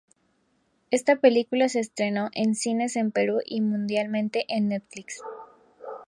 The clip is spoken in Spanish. Esta película se estrenó en cines en Perú y mundialmente en Netflix.